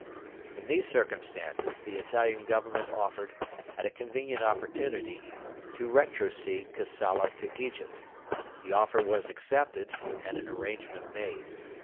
In these circumstances the Italian Government offered, at a convenient opportunity, to retrocede Kassala to Egypt. The offer was accepted, and an arrangement made.